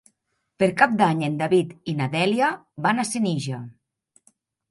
Per Cap d'Any en David i na Dèlia van a Senija.